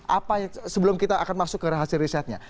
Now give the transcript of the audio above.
apa yang sebelum kita akan masuk ke hasil riset nya